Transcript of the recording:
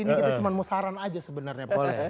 ini kita cuma mau saran aja sebenernya pak